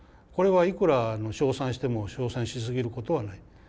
これはいくら称賛しても称賛しすぎることはない。